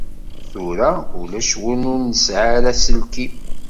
Tura ulac win ur nesɛi ara aselkim.